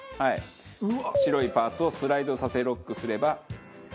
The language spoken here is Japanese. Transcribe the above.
白いパーツをスライドさせロックすれば。